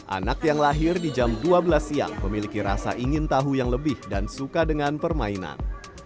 anak yang lahir di jam dua belas siang memiliki rasa ingin tahu yang lebih dan suka dengan permainan